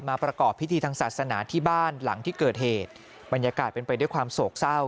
ประกอบพิธีทางศาสนาที่บ้านหลังที่เกิดเหตุบรรยากาศเป็นไปด้วยความโศกเศร้า